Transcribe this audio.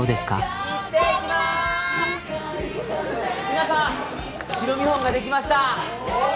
皆さん白見本ができましたおおー！